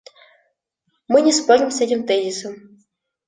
Мы не спорим с этим тезисом.